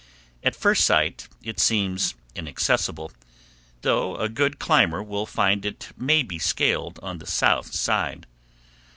At first sight it seems inaccessible, though a good climber will find it may be scaled on the south side.